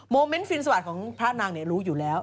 โมเม้นท์ฟิล์นสวาสตร์ของพระนางเนี่ยรู้อยู่แล้ว